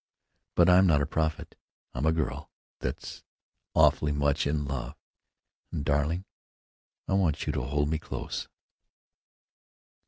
But I'm not a prophet. I'm a girl that's awfully much in love, and, darling, I want you to hold me close."